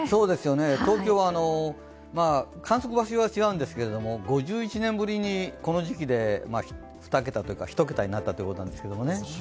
東京は観測場所は違うんですけど５１年ぶりにこの時期で２桁というか１桁になったということなんです。